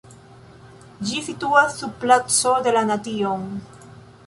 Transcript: Ĝi situas sub Placo de la Nation.